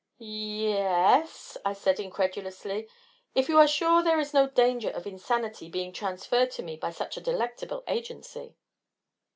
"Y y y y yes," I said incredulously, "if you are sure there is no danger of insanity being transferred to me by such a delectable agency."